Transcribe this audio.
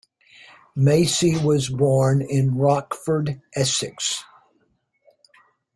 Macey was born in Rochford, Essex.